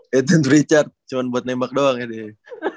payton prichard cuma buat nembak doang ya dia